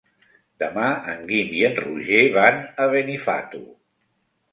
Demà en Guim i en Roger van a Benifato.